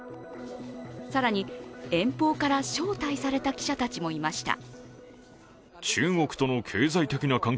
更に、遠方から招待された記者たちもいました。